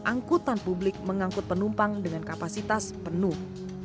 angkutan publik mengangkut penumpang dengan kapasitas penuh